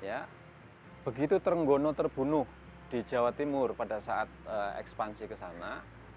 ya begitu trenggono terbunuh di jawa timur pada saat ekspansi ke sana